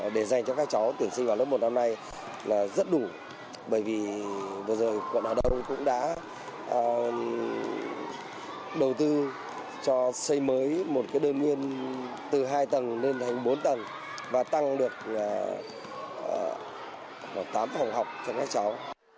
đầu tư cho xây mới một cái đơn nguyên từ hai tầng lên thành bốn tầng và tăng được tám phòng học cho các cháu